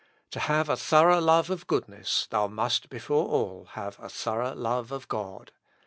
To have a thorough love of goodness, thou must, before all, have a thorough love of God.